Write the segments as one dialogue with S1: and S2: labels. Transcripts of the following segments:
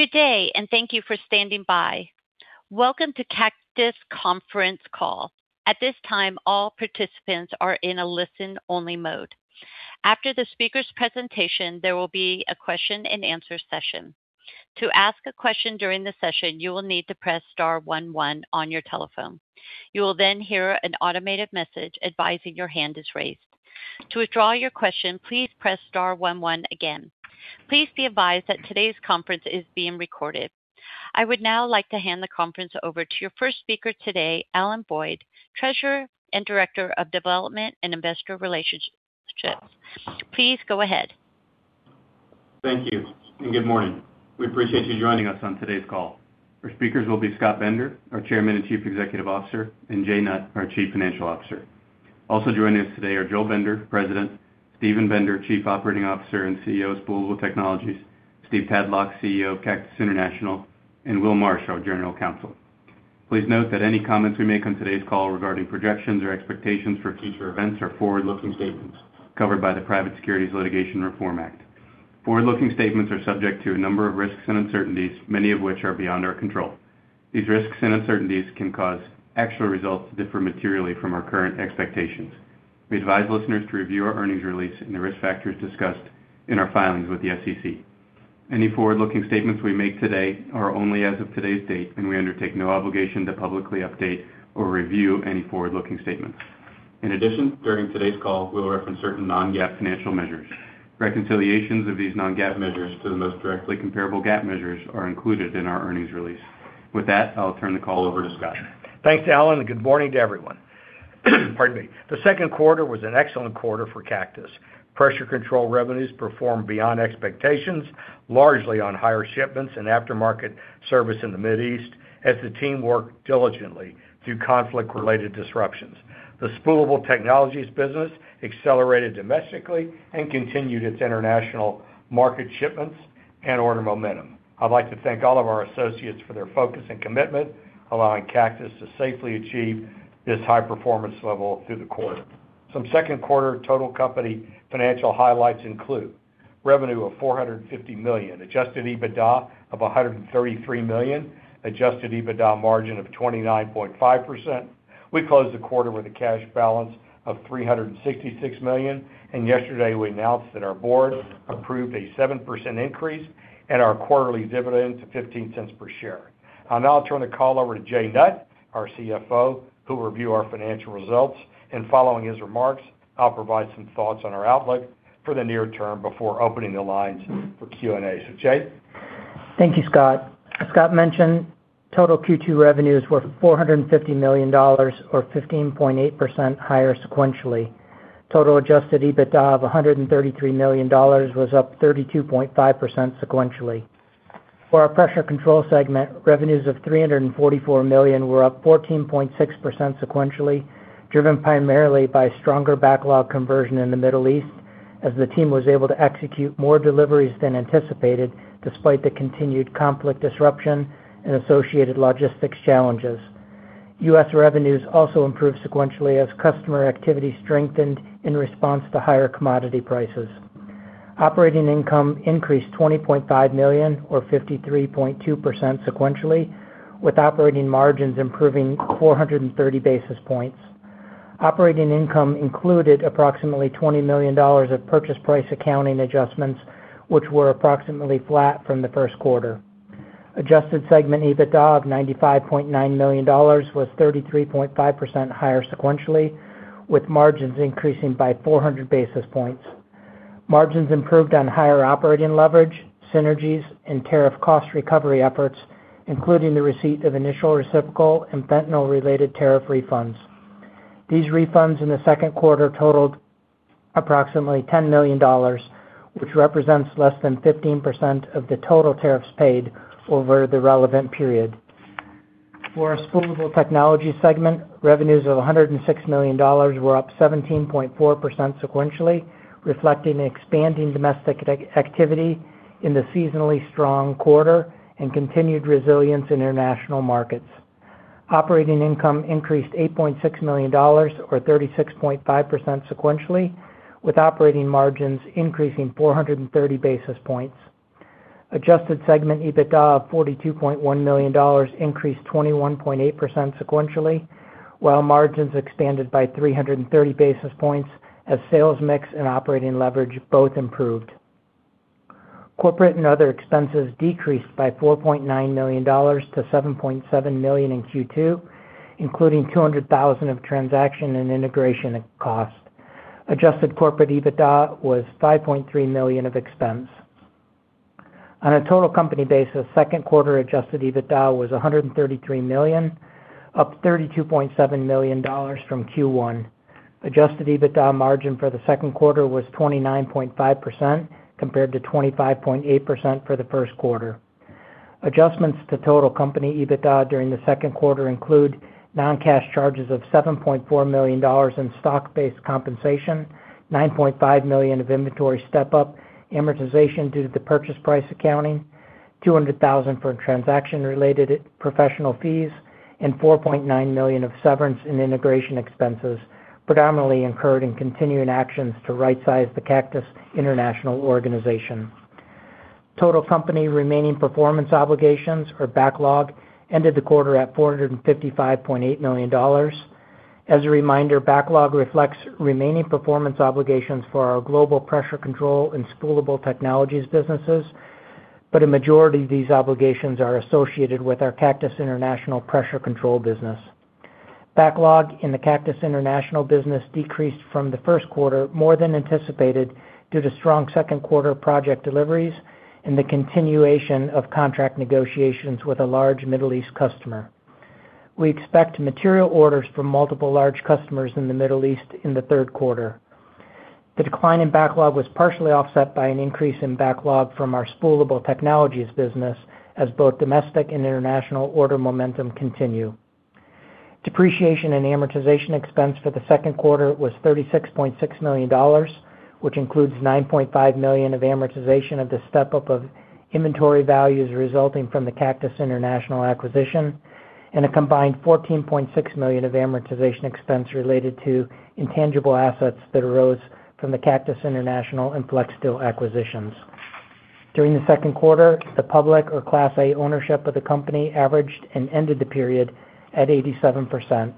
S1: Good day. Thank you for standing by. Welcome to Cactus Conference Call. At this time, all participants are in a listen-only mode. After the speaker's presentation, there will be a question-and-answer session. To ask a question during the session, you will need to press star one one on your telephone. You will then hear an automated message advising your hand is raised. To withdraw your question, please press star one one again. Please be advised that today's conference is being recorded. I would now like to hand the conference over to your first speaker today, Alan Boyd, Treasurer and Director of Development and Investor Relations. Please go ahead.
S2: Thank you. Good morning. We appreciate you joining us on today's call. Our speakers will be Scott Bender, our Chairman and Chief Executive Officer, Jay Nutt, our Chief Financial Officer. Also joining us today are Joel Bender, President, Steven Bender, Chief Operating Officer and CEO of Spoolable Technologies, Steve Tadlock, CEO of Cactus International, and Will Marsh, our General Counsel. Please note that any comments we make on today's call regarding projections or expectations for future events are forward-looking statements covered by the Private Securities Litigation Reform Act. Forward-looking statements are subject to a number of risks and uncertainties, many of which are beyond our control. These risks and uncertainties can cause actual results to differ materially from our current expectations. We advise listeners to review our earnings release and the risk factors discussed in our filings with the SEC. Any forward-looking statements we make today are only as of today's date. We undertake no obligation to publicly update or review any forward-looking statements. In addition, during today's call, we will reference certain non-GAAP financial measures. Reconciliations of these non-GAAP measures to the most directly comparable GAAP measures are included in our earnings release. With that, I'll turn the call over to Scott.
S3: Thanks, Alan. Good morning to everyone. Pardon me. The second quarter was an excellent quarter for Cactus. Pressure Control revenues performed beyond expectations, largely on higher shipments and aftermarket service in the Mid East as the team worked diligently through conflict-related disruptions. The Spoolable Technologies business accelerated domestically and continued its international market shipments and order momentum. I'd like to thank all of our associates for their focus and commitment, allowing Cactus to safely achieve this high performance level through the quarter. Some second quarter total company financial highlights include revenue of $450 million, adjusted EBITDA of $133 million, adjusted EBITDA margin of 29.5%. We closed the quarter with a cash balance of $366 million. Yesterday we announced that our board approved a 7% increase in our quarterly dividend to $0.15 per share. I'll now turn the call over to Jay Nutt, our CFO, who will review our financial results, and following his remarks, I'll provide some thoughts on our outlook for the near term before opening the lines for Q&A. Jay?
S4: Thank you, Scott. As Scott mentioned, total Q2 revenues were $450 million or 15.8% higher sequentially. Total adjusted EBITDA of $133 million was up 32.5% sequentially. For our Pressure Control segment, revenues of $344 million were up 14.6% sequentially, driven primarily by stronger backlog conversion in the Middle East as the team was able to execute more deliveries than anticipated despite the continued conflict disruption and associated logistics challenges. U.S. revenues also improved sequentially as customer activity strengthened in response to higher commodity prices. Operating income increased $20.5 million or 53.2% sequentially, with operating margins improving 430 basis points. Operating income included approximately $20 million of purchase price accounting adjustments, which were approximately flat from the first quarter. Adjusted segment EBITDA of $95.9 million was 33.5% higher sequentially, with margins increasing by 400 basis points. Margins improved on higher operating leverage, synergies, and tariff cost recovery efforts, including the receipt of initial reciprocal and retaliatory tariff refunds. These refunds in the second quarter totaled approximately $10 million, which represents less than 15% of the total tariffs paid over the relevant period. For our Spoolable Technologies segment, revenues of $106 million were up 17.4% sequentially, reflecting expanding domestic activity in the seasonally strong quarter and continued resilience in international markets. Operating income increased $8.6 million or 36.5% sequentially, with operating margins increasing 430 basis points. Adjusted segment EBITDA of $42.1 million increased 21.8% sequentially, while margins expanded by 330 basis points as sales mix and operating leverage both improved. Corporate and other expenses decreased by $4.9 million to $7.7 million in Q2, including $200,000 of transaction and integration cost. Adjusted corporate EBITDA was $5.3 million of expense. On a total company basis, second quarter adjusted EBITDA was $133 million, up $32.7 million from Q1. Adjusted EBITDA margin for the second quarter was 29.5% compared to 25.8% for the first quarter. Adjustments to total company EBITDA during the second quarter include non-cash charges of $7.4 million in stock-based compensation, $9.5 million of inventory step-up amortization due to the purchase price accounting, $200,000 for transaction-related professional fees. $4.9 million of severance and integration expenses predominantly incurred in continuing actions to right-size the Cactus International organization. Total company remaining performance obligations or backlog ended the quarter at $455.8 million. As a reminder, backlog reflects remaining performance obligations for our global Pressure Control and Spoolable Technologies businesses, but a majority of these obligations are associated with our Cactus International Pressure Control business. Backlog in the Cactus International business decreased from the first quarter more than anticipated due to strong second quarter project deliveries and the continuation of contract negotiations with a large Middle East customer. We expect material orders from multiple large customers in the Middle East in the third quarter. The decline in backlog was partially offset by an increase in backlog from our Spoolable Technologies business as both domestic and international order momentum continue. Depreciation and amortization expense for the second quarter was $36.6 million, which includes $9.5 million of amortization of the step-up of inventory values resulting from the Cactus International acquisition, and a combined $14.6 million of amortization expense related to intangible assets that arose from the Cactus International and FlexSteel acquisitions. During the second quarter, the public or Class A ownership of the company averaged and ended the period at 87%.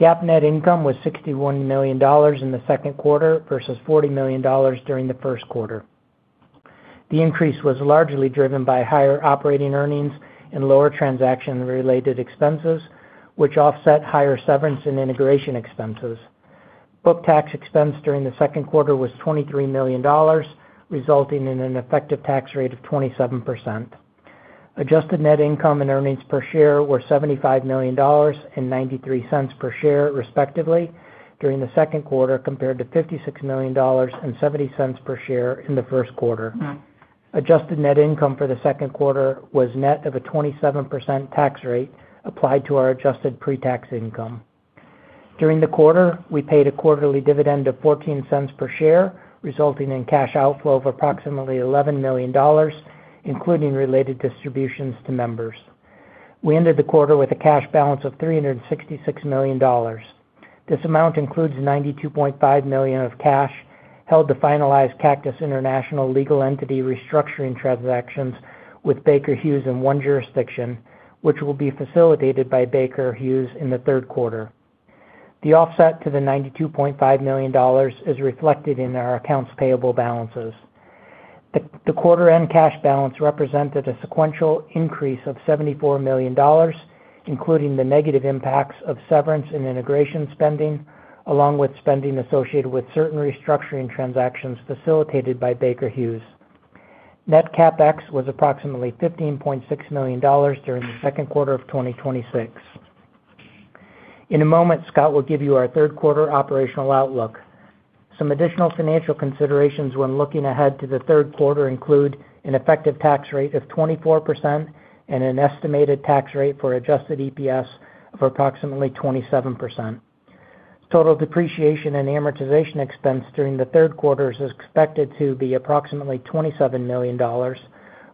S4: GAAP net income was $61 million in the second quarter versus $40 million during the first quarter. The increase was largely driven by higher operating earnings and lower transaction-related expenses, which offset higher severance and integration expenses. Book tax expense during the second quarter was $23 million, resulting in an effective tax rate of 27%. Adjusted net income and earnings per share were $75 million and $0.93 per share, respectively, during the second quarter, compared to $56 million and $0.70 per share in the first quarter. Adjusted net income for the second quarter was net of a 27% tax rate applied to our adjusted pre-tax income. During the quarter, we paid a quarterly dividend of $0.14 per share, resulting in cash outflow of approximately $11 million, including related distributions to members. We ended the quarter with a cash balance of $366 million. This amount includes $92.5 million of cash held to finalize Cactus International legal entity restructuring transactions with Baker Hughes in one jurisdiction, which will be facilitated by Baker Hughes in the third quarter. The offset to the $92.5 million is reflected in our accounts payable balances. The quarter-end cash balance represented a sequential increase of $74 million, including the negative impacts of severance and integration spending, along with spending associated with certain restructuring transactions facilitated by Baker Hughes. Net CapEx was approximately $15.6 million during the second quarter of 2026. In a moment, Scott will give you our third quarter operational outlook. Some additional financial considerations when looking ahead to the third quarter include an effective tax rate of 24% and an estimated tax rate for adjusted EPS of approximately 27%. Total depreciation and amortization expense during the third quarter is expected to be approximately $27 million,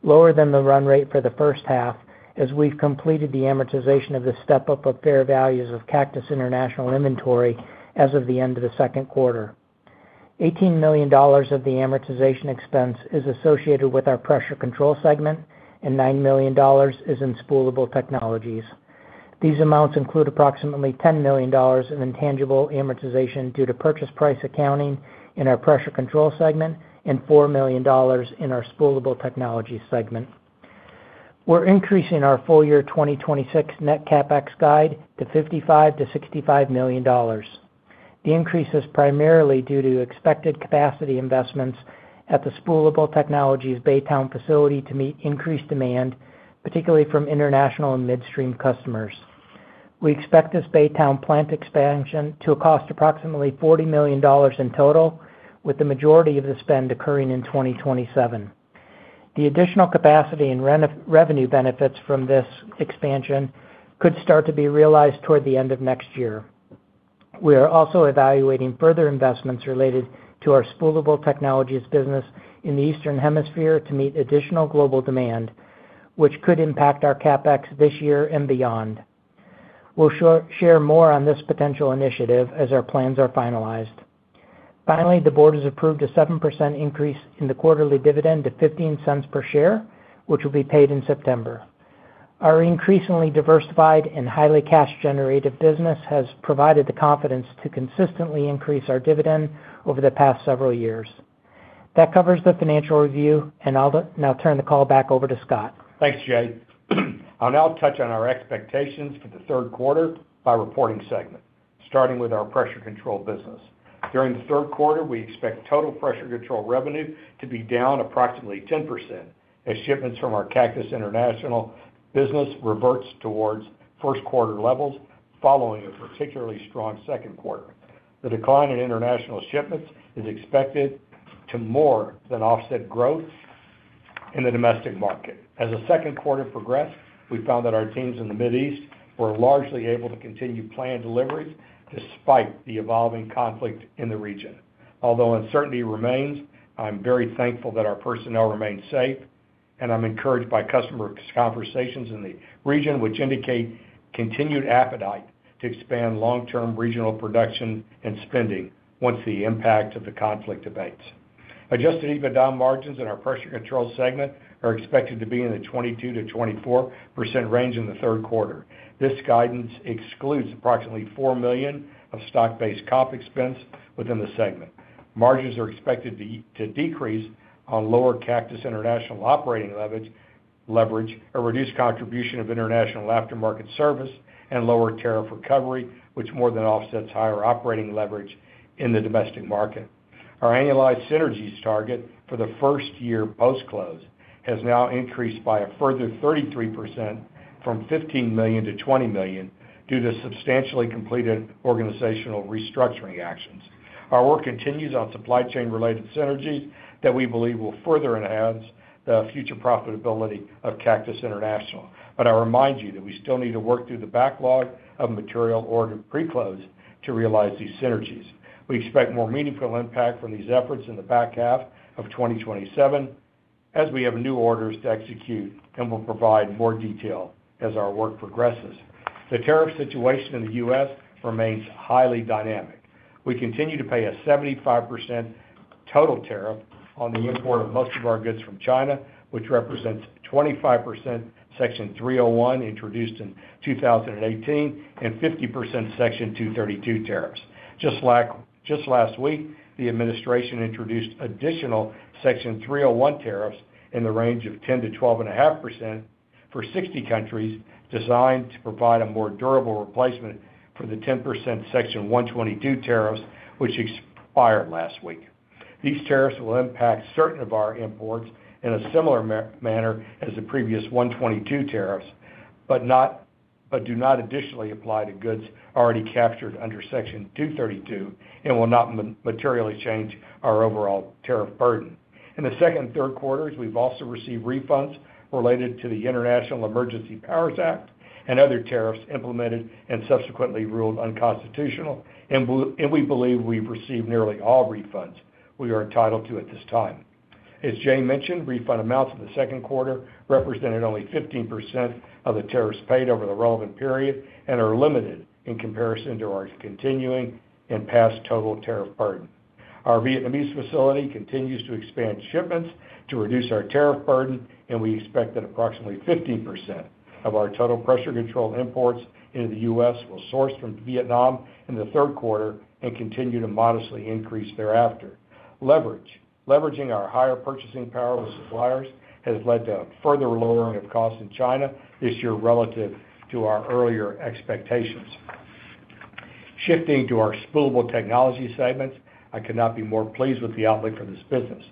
S4: lower than the run rate for the first half as we've completed the amortization of the step-up of fair values of Cactus International inventory as of the end of the second quarter. $18 million of the amortization expense is associated with our Pressure Control segment, and $9 million is in Spoolable Technologies. These amounts include approximately $10 million in intangible amortization due to purchase price accounting in our Pressure Control segment and $4 million in our Spoolable Technologies segment. We're increasing our full year 2026 net CapEx guide to $55 million-$65 million. The increase is primarily due to expected capacity investments at the Spoolable Technologies Baytown facility to meet increased demand, particularly from international and midstream customers. We expect this Baytown plant expansion to cost approximately $40 million in total, with the majority of the spend occurring in 2027. The additional capacity and revenue benefits from this expansion could start to be realized toward the end of next year. We are also evaluating further investments related to our Spoolable Technologies business in the eastern hemisphere to meet additional global demand, which could impact our CapEx this year and beyond. We'll share more on this potential initiative as our plans are finalized. Finally, the board has approved a 7% increase in the quarterly dividend to $0.15 per share, which will be paid in September. Our increasingly diversified and highly cash generative business has provided the confidence to consistently increase our dividend over the past several years. That covers the financial review, and I'll now turn the call back over to Scott.
S3: Thanks, Jay. I'll now touch on our expectations for the third quarter by reporting segment, starting with our Pressure Control business. During the third quarter, we expect total Pressure Control revenue to be down approximately 10% as shipments from our Cactus International business reverts towards first quarter levels following a particularly strong second quarter. The decline in international shipments is expected to more than offset growth in the domestic market. As the second quarter progressed, we found that our teams in the Mid East were largely able to continue planned deliveries despite the evolving conflict in the region. Although uncertainty remains, I'm very thankful that our personnel remains safe, and I'm encouraged by customer conversations in the region, which indicate continued appetite to expand long-term regional production and spending once the impact of the conflict abates. Adjusted EBITDA margins in our Pressure Control segment are expected to be in the 22%-24% range in the third quarter. This guidance excludes approximately $4 million of stock-based comp expense within the segment. Margins are expected to decrease on lower Cactus International operating leverage, a reduced contribution of international aftermarket service, and lower tariff recovery, which more than offsets higher operating leverage in the domestic market. Our annualized synergies target for the first year post-close has now increased by a further 33%, from $15 million-$20 million, due to substantially completed organizational restructuring actions. Our work continues on supply chain related synergies that we believe will further enhance the future profitability of Cactus International. I remind you that we still need to work through the backlog of material ordered pre-close to realize these synergies. We expect more meaningful impact from these efforts in the back half of 2027, as we have new orders to execute and will provide more detail as our work progresses. The tariff situation in the U.S. remains highly dynamic. We continue to pay a 75% total tariff on the import of most of our goods from China, which represents 25% Section 301 introduced in 2018 and 50% Section 232 tariffs. Just last week, the administration introduced additional Section 301 tariffs in the range of 10%-12.5% for 60 countries, designed to provide a more durable replacement for the 10% Section 122 tariffs, which expired last week. These tariffs will impact certain of our imports in a similar manner as the previous 122 tariffs, but do not additionally apply to goods already captured under Section 232 and will not materially change our overall tariff burden. In the second and third quarters, we've also received refunds related to the International Emergency Economic Powers Act and other tariffs implemented and subsequently ruled unconstitutional, and we believe we've received nearly all refunds we are entitled to at this time. As Jay mentioned, refund amounts in the second quarter represented only 15% of the tariffs paid over the relevant period and are limited in comparison to our continuing and past total tariff burden. Our Vietnamese facility continues to expand shipments to reduce our tariff burden, and we expect that approximately 15% of our total Pressure Control imports into the U.S. will source from Vietnam in the third quarter and continue to modestly increase thereafter. Leveraging our higher purchasing power with suppliers has led to a further lowering of costs in China this year relative to our earlier expectations. Shifting to our Spoolable Technologies segments, I could not be more pleased with the outlook for this business.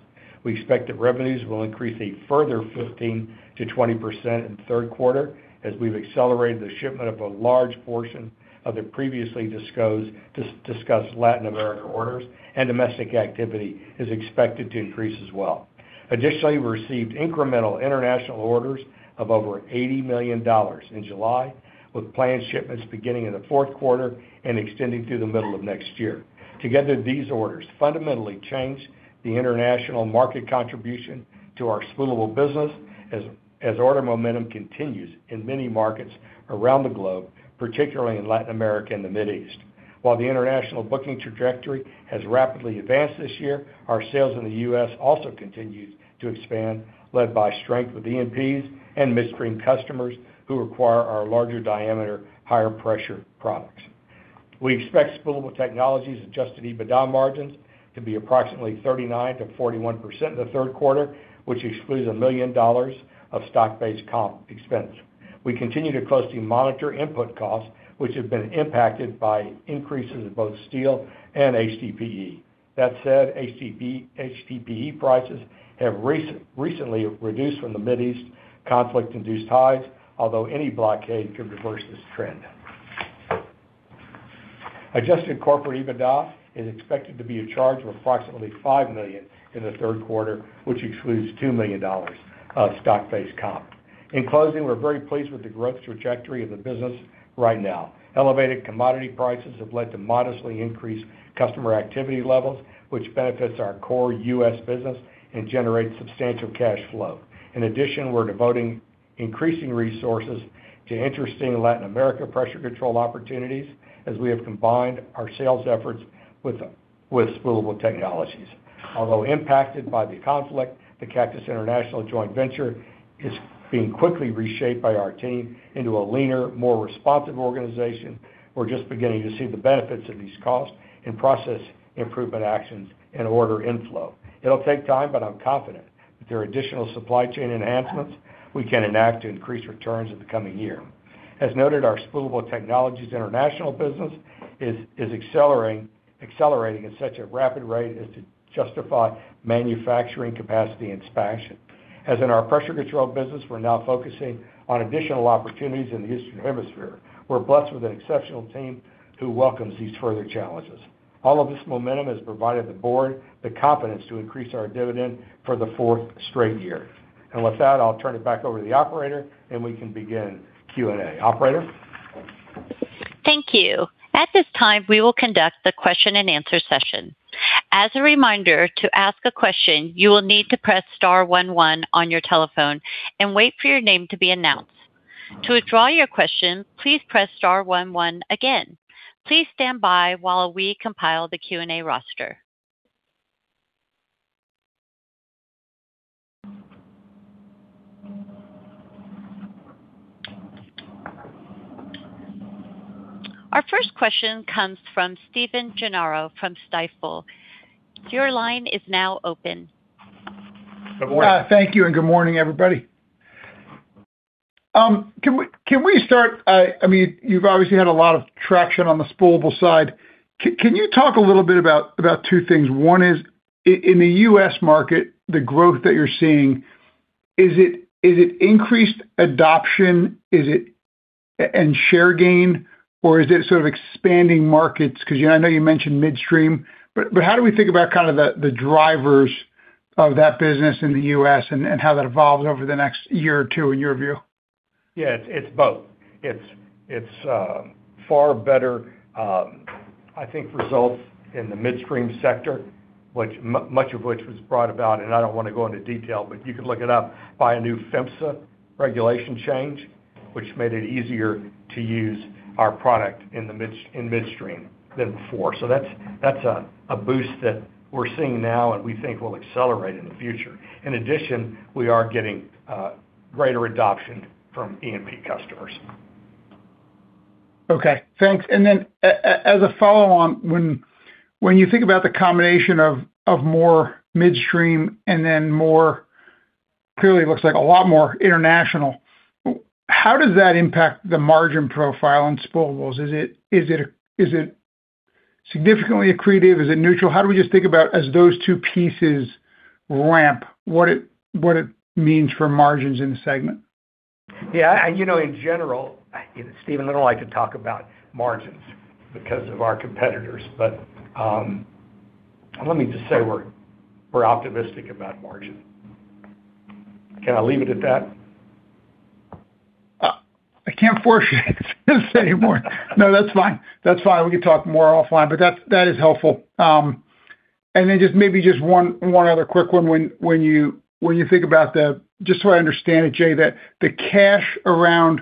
S3: We expect that revenues will increase a further 15%-20% in the third quarter, as we've accelerated the shipment of a large portion of the previously discussed Latin America orders and domestic activity is expected to increase as well. Additionally, we received incremental international orders of over $80 million in July, with planned shipments beginning in the fourth quarter and extending through the middle of next year. Together, these orders fundamentally change the international market contribution to our Spoolable business as order momentum continues in many markets around the globe, particularly in Latin America and the Mid East. While the international booking trajectory has rapidly advanced this year, our sales in the U.S. also continues to expand, led by strength with E&Ps and midstream customers who require our larger diameter, higher pressure products. We expect Spoolable Technologies adjusted EBITDA margins to be approximately 39%-41% in the third quarter, which excludes $1 million of stock-based comp expense. We continue to closely monitor input costs, which have been impacted by increases in both steel and HDPE. That said, HDPE prices have recently reduced from the Mid East conflict-induced highs, although any blockade could reverse this trend. Adjusted corporate EBITDA is expected to be a charge of approximately $5 million in the third quarter, which excludes $2 million of stock-based comp. In closing, we're very pleased with the growth trajectory of the business right now. Elevated commodity prices have led to modestly increased customer activity levels, which benefits our core U.S. business and generates substantial cash flow. In addition, we're devoting increasing resources to interesting Latin America Pressure Control opportunities as we have combined our sales efforts with Spoolable Technologies. Although impacted by the conflict, the Cactus International joint venture is being quickly reshaped by our team into a leaner, more responsive organization. We're just beginning to see the benefits of these costs and process improvement actions and order inflow. I'm confident that there are additional supply chain enhancements we can enact to increase returns in the coming year. As noted, our Spoolable Technologies international business is accelerating at such a rapid rate as to justify manufacturing capacity expansion. As in our Pressure Control business, we're now focusing on additional opportunities in the Eastern Hemisphere. We're blessed with an exceptional team who welcomes these further challenges. All of this momentum has provided the board the confidence to increase our dividend for the fourth straight year. With that, I'll turn it back over to the operator and we can begin Q&A. Operator?
S1: Thank you. At this time, we will conduct the question-and-answer session. Our first question comes from Stephen Gengaro from Stifel. Your line is now open.
S3: Good morning.
S5: Thank you. Good morning, everybody. Can we start, you've obviously had a lot of traction on the Spoolable side. Can you talk a little bit about two things? One is, in the U.S. market, the growth that you're seeing, is it increased adoption? Is it share gain, or is it sort of expanding markets? Because I know you mentioned midstream, but how do we think about the drivers of that business in the U.S. and how that evolves over the next year or two in your view?
S3: Yeah. It's both. It's far better, I think, results in the midstream sector, much of which was brought about, and I don't want to go into detail, but you can look it up, by a new PHMSA regulation change, which made it easier to use our product in midstream than before. That's a boost that we're seeing now and we think will accelerate in the future. In addition, we are getting greater adoption from E&P customers.
S5: Okay, thanks. As a follow on, when you think about the combination of more midstream and then more, clearly it looks like a lot more international, how does that impact the margin profile in Spoolables? Is it significantly accretive? Is it neutral? How do we just think about as those two pieces ramp, what it means for margins in the segment?
S3: Yeah. In general, Stephen, I don't like to talk about margins because of our competitors. Let me just say we're optimistic about margin. Can I leave it at that?
S5: I can't force you to say more. No, that's fine. We can talk more offline, but that is helpful. Just maybe just one other quick one. When you think about, just so I understand it, Jay, the cash around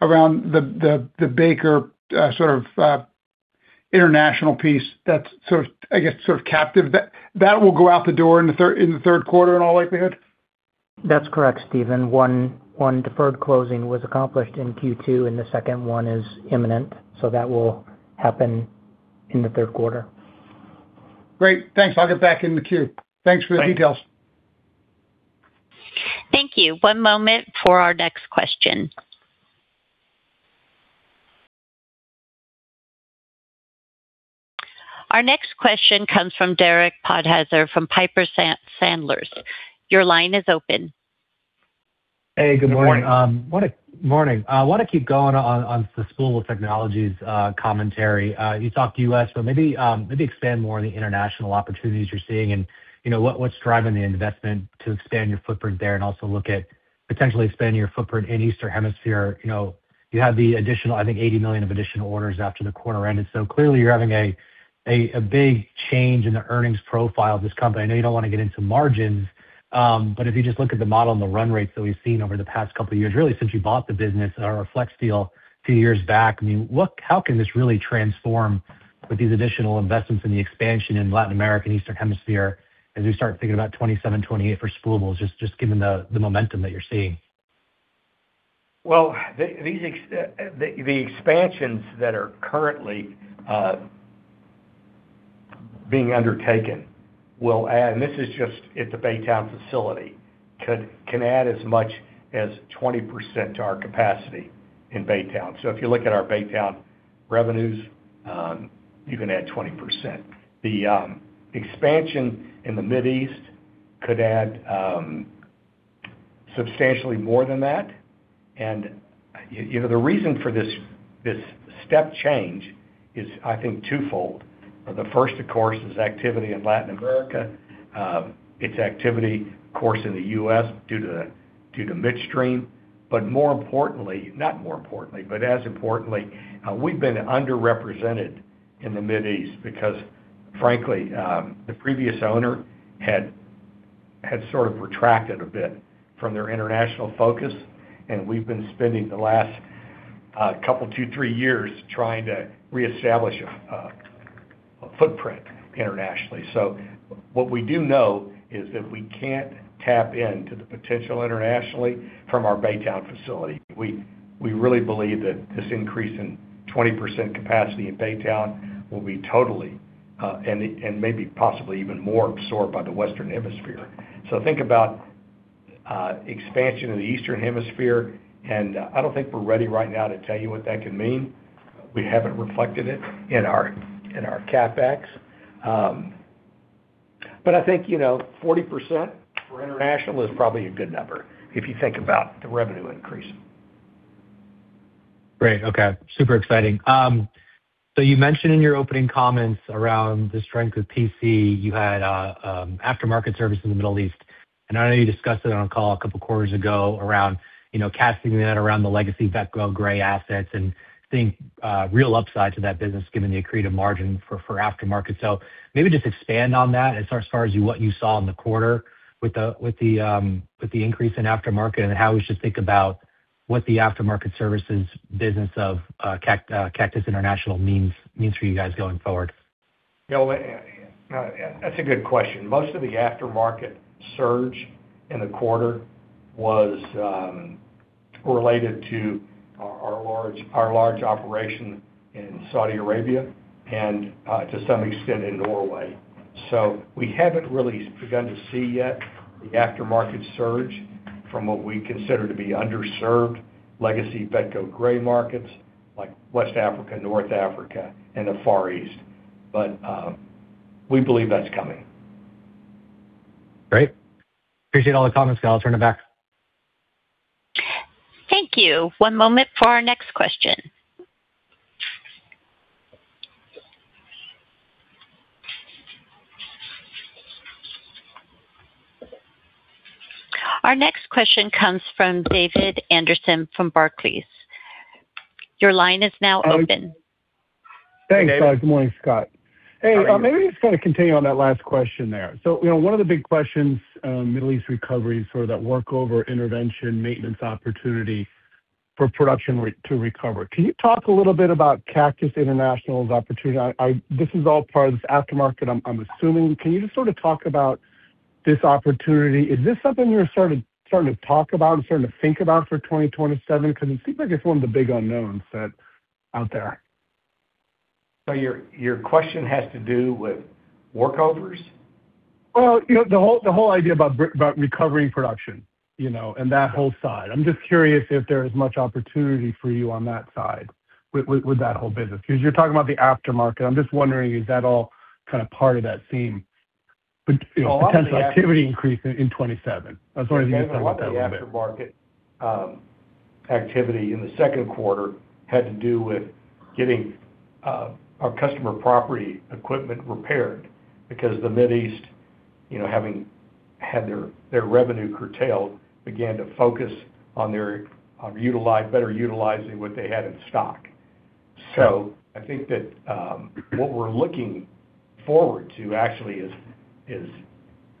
S5: the Baker international piece that's sort of captive, that will go out the door in the third quarter in all likelihood?
S4: That's correct, Stephen. One deferred closing was accomplished in Q2, and the second one is imminent. That will happen in the third quarter.
S5: Great. Thanks. I'll get back in the queue. Thanks for the details.
S1: Thank you. Our next question comes from Derek Podhaizer from Piper Sandler. Your line is open.
S6: Hey, good morning.
S3: Good morning.
S6: Morning. I want to keep going on the Spoolable Technologies commentary. You talked U.S., but maybe expand more on the international opportunities you're seeing and what's driving the investment to expand your footprint there and also look at potentially expanding your footprint in Eastern Hemisphere. You have the additional, I think, $80 million of additional orders after the quarter ended. Clearly you're having a big change in the earnings profile of this company. I know you don't want to get into margins, but if you just look at the model and the run rates that we've seen over the past couple of years, really since you bought the business or FlexSteel a few years back. How can this really transform with these additional investments in the expansion in Latin America and Eastern Hemisphere as we start thinking about 2027, 2028 for Spoolables, just given the momentum that you're seeing?
S3: Well, the expansions that are currently being undertaken will add, and this is just at the Baytown facility, can add as much as 20% to our capacity in Baytown. If you look at our Baytown revenues, you can add 20%. The expansion in the Mid East could add substantially more than that. The reason for this step change is, I think, twofold. The first, of course, is activity in Latin America. It's activity, of course, in the U.S. due to midstream, but more importantly, not more importantly, but as importantly, we've been underrepresented in the Mid East because frankly, the previous owner had sort of retracted a bit from their international focus, and we've been spending the last couple, two, three years trying to reestablish a footprint internationally. What we do know is that we can't tap into the potential internationally from our Baytown facility. We really believe that this increase in 20% capacity in Baytown will be totally, and maybe possibly even more absorbed by the Western Hemisphere. Think about expansion in the Eastern Hemisphere, and I don't think we're ready right now to tell you what that could mean. We haven't reflected it in our CapEx. I think 40% for international is probably a good number if you think about the revenue increase.
S6: Great. Okay. Super exciting. You mentioned in your opening comments around the strength of PC, you had after-market service in the Middle East, and I know you discussed it on a call a couple of quarters ago around casting that around the legacy Vetco Gray assets and I think real upside to that business given the accretive margin for after-market. Maybe just expand on that as far as what you saw in the quarter with the increase in after-market and how we should think about what the after-market services business of Cactus International means for you guys going forward.
S3: That's a good question. Most of the after-market surge in the quarter was related to our large operation in Saudi Arabia and, to some extent, in Norway. We haven't really begun to see yet the after-market surge from what we consider to be underserved legacy Vetco Gray markets like West Africa, North Africa, and the Far East. We believe that's coming.
S6: Great. Appreciate all the comments, Scott. I'll turn it back.
S1: Thank you. Our next question comes from David Anderson from Barclays. Your line is now open.
S7: Thanks. Good morning, Scott.
S3: How are you?
S7: Hey, maybe just to continue on that last question there. One of the big questions, Middle East recovery, sort of that workover intervention, maintenance opportunity for production to recover. Can you talk a little bit about Cactus International's opportunity? This is all part of this after market, I'm assuming. Can you just sort of talk about this opportunity? Is this something you're starting to talk about and starting to think about for 2027? Because it seems like it's one of the big unknowns out there.
S3: Your question has to do with workovers?
S7: Well, the whole idea about recovering production, and that whole side. I'm just curious if there's much opportunity for you on that side with that whole business. Because you're talking about the after market. I'm just wondering, is that all kind of part of that theme, potential activity increase in 2027? I was wondering if you could talk about that a little bit.
S3: A lot of the after-market activity in the second quarter had to do with getting our customer property equipment repaired because the Middle East, having had their revenue curtailed, began to focus on better utilizing what they had in stock. I think that what we're looking forward to actually is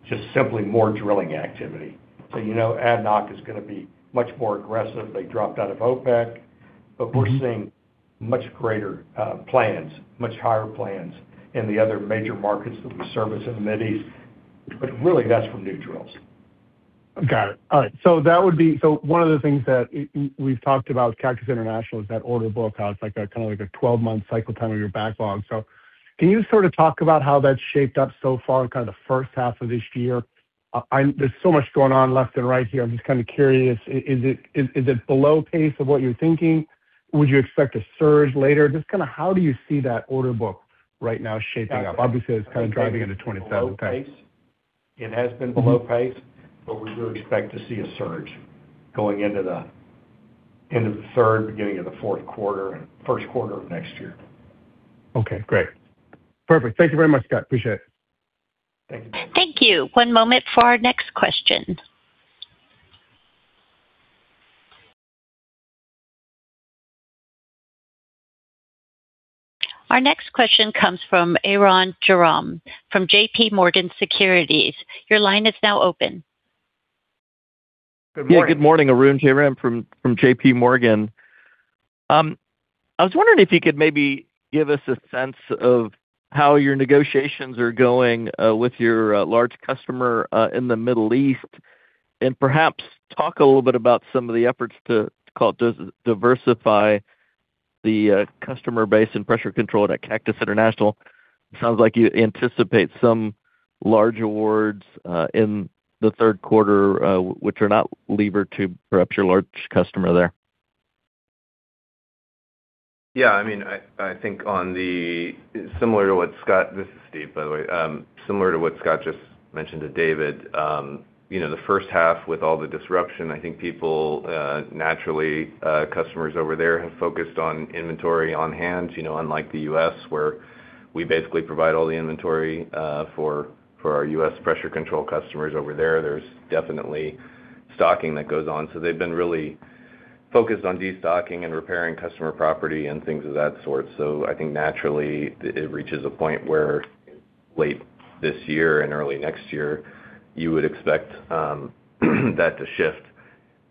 S3: just simply more drilling activity. You know ADNOC is going to be much more aggressive. They dropped out of OPEC. We're seeing much greater plans, much higher plans in the other major markets that we service in the Mideast. Really, that's from new drills.
S7: Got it. All right. One of the things that we've talked about with Cactus International is that order book, how it's kind of like a 12-month cycle time of your backlog. Can you sort of talk about how that's shaped up so far in kind of the first half of this year? There's so much going on left and right here. I'm just kind of curious, is it below pace of what you're thinking? Would you expect a surge later? Just how do you see that order book right now shaping up? Obviously, it's kind of driving into 2027 pace.
S3: It has been below pace, but we do expect to see a surge going into the end of the third, beginning of the fourth quarter and first quarter of next year.
S7: Okay, great. Perfect. Thank you very much, Scott. Appreciate it.
S3: Thank you.
S1: Thank you. Our next question comes from Arun Jayaram from JPMorgan Securities. Your line is now open.
S3: Good morning.
S8: Yeah, good morning. Arun Jayaram from JPMorgan. I was wondering if you could maybe give us a sense of how your negotiations are going with your large customer in the Middle East and perhaps talk a little bit about some of the efforts to, call it, diversify the customer base and Pressure Control at Cactus International. It sounds like you anticipate some large awards in the third quarter, which are not lever to perhaps your large customer there.
S9: I think, this is Steve, by the way, similar to what Scott Bender just mentioned to David Anderson. The first half with all the disruption, I think people, naturally, customers over there have focused on inventory on hand unlike the U.S. where we basically provide all the inventory for our U.S. Pressure Control customers over there. There's definitely stocking that goes on. They've been really focused on destocking and repairing customer property and things of that sort. I think naturally, it reaches a point where late this year and early next year, you would expect that to shift.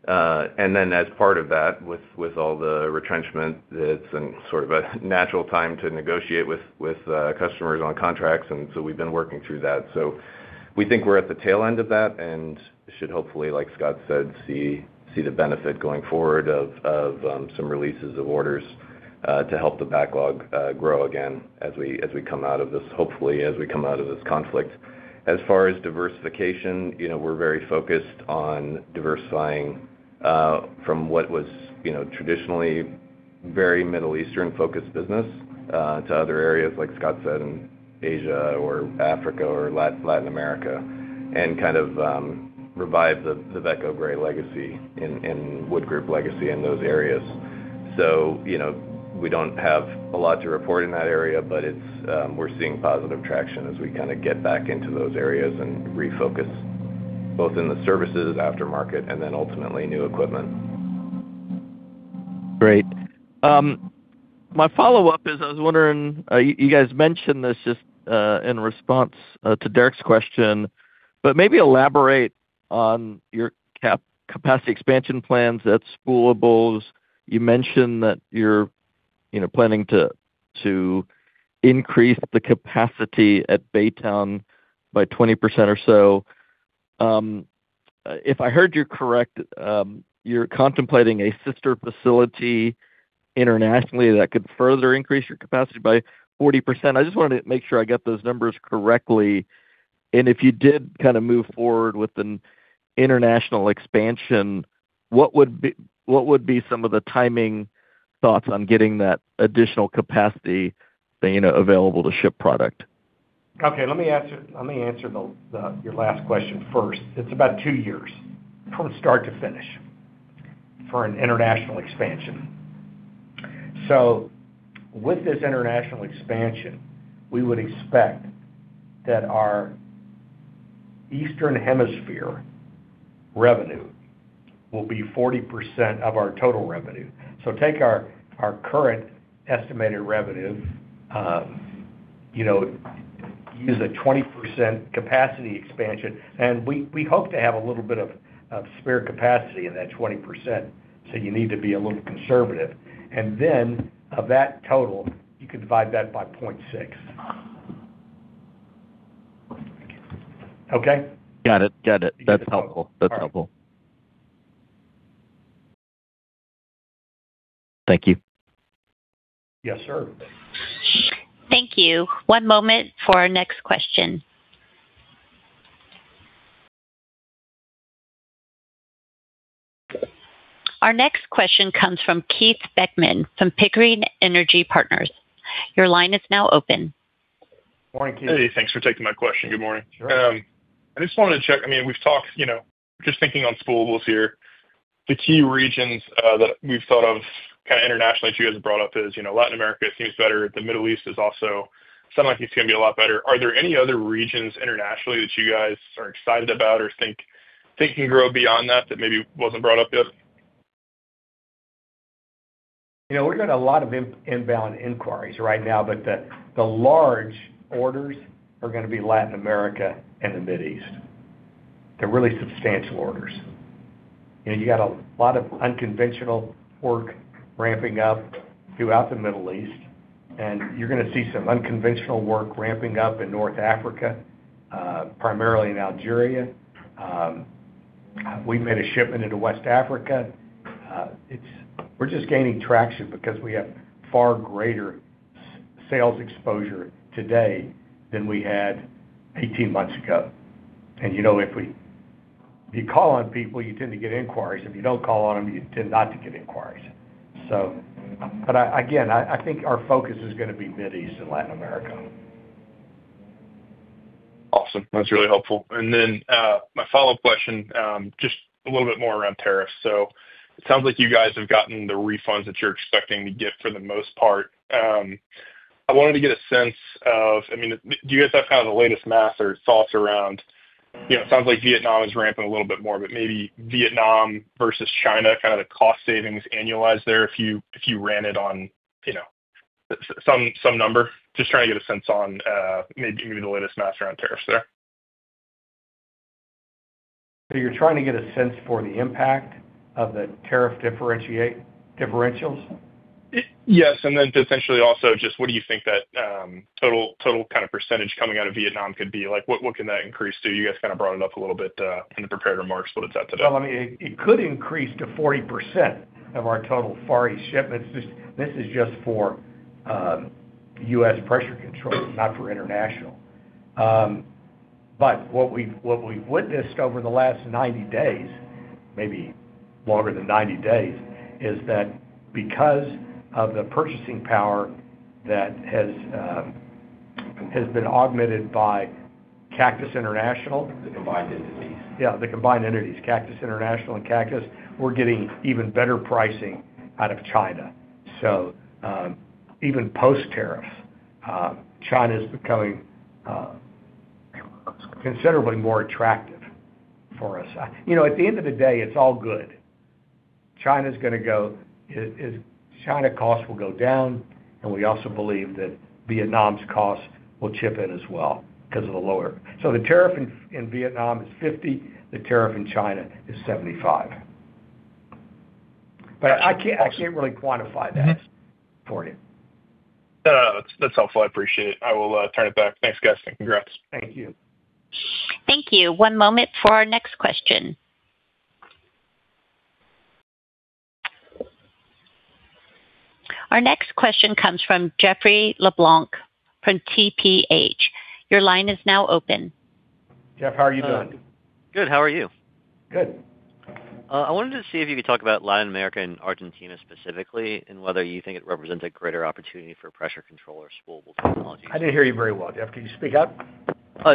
S9: As part of that, with all the retrenchment, it's sort of a natural time to negotiate with customers on contracts, we've been working through that. We think we're at the tail end of that and should hopefully, like Scott Bender said, see the benefit going forward of some releases of orders to help the backlog grow again as we come out of this, hopefully, as we come out of this conflict. As far as diversification, we're very focused on diversifying from what was traditionally very Middle Eastern focused business to other areas, like Scott Bender said, in Asia or Africa or Latin America, and kind of revive the Vetco Gray legacy and Wood Group legacy in those areas. We don't have a lot to report in that area, but we're seeing positive traction as we kind of get back into those areas and refocus, both in the services aftermarket and then ultimately new equipment.
S8: Great. My follow-up is, I was wondering, you guys mentioned this just in response to Derek's question, but maybe elaborate on your capacity expansion plans at Spoolables. You mentioned that you're planning to increase the capacity at Baytown by 20% or so. If I heard you correct, you're contemplating a sister facility internationally that could further increase your capacity by 40%. I just wanted to make sure I got those numbers correctly. If you did kind of move forward with an international expansion, what would be some of the timing thoughts on getting that additional capacity available to ship product?
S3: Let me answer your last question first. It's about two years from start to finish for an international expansion. With this international expansion, we would expect that our Eastern Hemisphere revenue will be 40% of our total revenue. Take our current estimated revenue, use a 20% capacity expansion, and we hope to have a little bit of spare capacity in that 20%, you need to be a little conservative. Of that total, you can divide that by 0.6.
S8: Got it. That's helpful.
S3: All right.
S8: Thank you.
S1: Thank you. Our next question comes from Keith Beckman from Pickering Energy Partners. Your line is now open.
S3: Morning, Keith.
S10: Hey. Thanks for taking my question. Good morning.
S3: Sure.
S10: I just wanted to check, we've talked, just thinking on Spoolables here, the key regions that we've thought of kind of internationally that you guys have brought up is Latin America seems better. The Middle East is also sounding like it's going to be a lot better. Are there any other regions internationally that you guys are excited about or think can grow beyond that maybe wasn't brought up yet?
S3: We're getting a lot of inbound inquiries right now, the large orders are going to be Latin America and the Mid East. They're really substantial orders. You got a lot of unconventional work ramping up throughout the Middle East, you're going to see some unconventional work ramping up in North Africa, primarily in Algeria. We made a shipment into West Africa. We're just gaining traction because we have far greater sales exposure today than we had 18 months ago. If you call on people, you tend to get inquiries. If you don't call on them, you tend not to get inquiries. Again, I think our focus is going to be Mid East and Latin America.
S10: Awesome. That's really helpful. My follow-up question, just a little bit more around tariffs. It sounds like you guys have gotten the refunds that you're expecting to get for the most part. I wanted to get a sense of, do you guys have kind of the latest math or thoughts around, it sounds like Vietnam is ramping a little bit more, maybe Vietnam versus China, kind of the cost savings annualized there if you ran it on some number. Just trying to get a sense on maybe the latest math around tariffs there.
S3: You're trying to get a sense for the impact of the tariff differentials?
S10: Yes, essentially also just what do you think that total kind of percentage coming out of Vietnam could be? Like, what can that increase to? You guys kind of brought it up a little bit in the prepared remarks, what it's at today.
S3: It could increase to 40% of our total Far East shipments. This is just for U.S. Pressure Control, not for international. What we've witnessed over the last 90 days, maybe longer than 90 days, is that because of the purchasing power that has been augmented by Cactus International. The combined entities. Yeah, the combined entities, Cactus International and Cactus, we're getting even better pricing out of China. Even post-tariffs, China's becoming considerably more attractive for us. At the end of the day, it's all good. China costs will go down, and we also believe that Vietnam's cost will chip in as well because of the lower. The tariff in Vietnam is 50%, the tariff in China is 75%. I can't really quantify that for you.
S10: No, that's helpful. I appreciate it. I will turn it back. Thanks, guys, and congrats.
S3: Thank you.
S1: Thank you. Our next question comes from Jeffrey LeBlanc from TPH. Your line is now open.
S3: Jeff, how are you doing?
S11: Good. How are you?
S3: Good.
S11: I wanted to see if you could talk about Latin America and Argentina specifically, and whether you think it represents a greater opportunity for Pressure Control or Spoolable Technologies.
S3: I didn't hear you very well, Jeff. Can you speak up?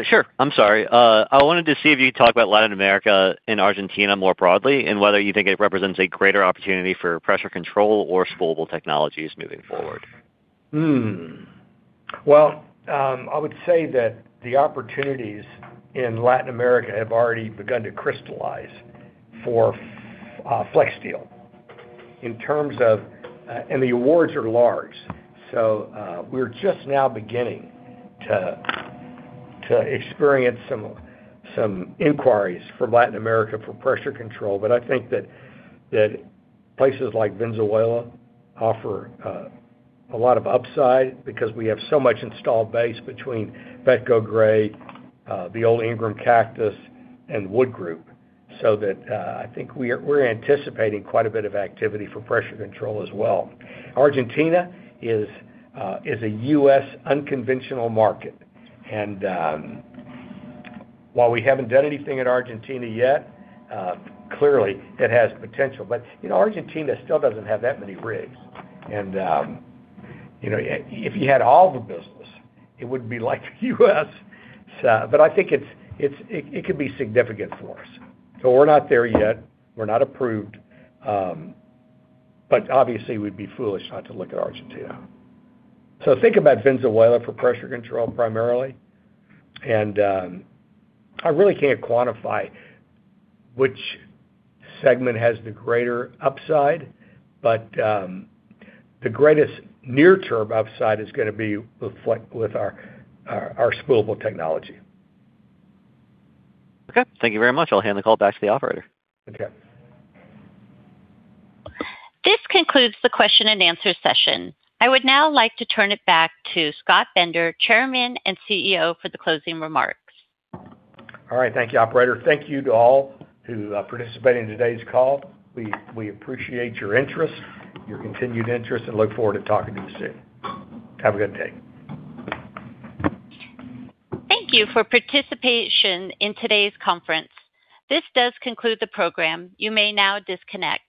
S11: Sure. I'm sorry. I wanted to see if you'd talk about Latin America and Argentina more broadly, whether you think it represents a greater opportunity for Pressure Control or Spoolable Technologies moving forward.
S3: I would say that the opportunities in Latin America have already begun to crystallize for FlexSteel. The awards are large. We're just now beginning to experience some inquiries from Latin America for Pressure Control. I think that places like Venezuela offer a lot of upside because we have so much installed base between Vetco Gray, the old Ingram Cactus Company, and Wood Group. I think we're anticipating quite a bit of activity for Pressure Control as well. Argentina is a U.S. unconventional market, while we haven't done anything in Argentina yet, clearly it has potential. Argentina still doesn't have that many rigs. If you had all the business, it would be like the U.S. I think it could be significant for us. We're not there yet. We're not approved. Obviously we'd be foolish not to look at Argentina. Think about Venezuela for Pressure Control primarily, I really can't quantify which segment has the greater upside, the greatest near term upside is going to be with our Spoolable Technologies.
S11: Okay. Thank you very much. I'll hand the call back to the operator.
S3: Okay.
S1: This concludes the question-and-answer session. I would now like to turn it back to Scott Bender, Chairman and CEO, for the closing remarks.
S3: All right. Thank you, operator. Thank you to all who participated in today's call. We appreciate your interest, your continued interest, and look forward to talking to you soon. Have a good day.
S1: Thank you for participation in today's conference. This does conclude the program. You may now disconnect.